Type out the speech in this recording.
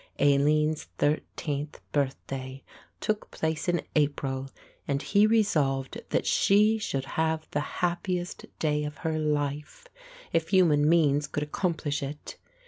Aline's thirteenth birthday took place in April and he resolved that she should have the happiest day of her life, if human means could accomplish it.